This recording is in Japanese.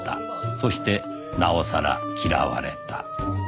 そしてなおさら嫌われた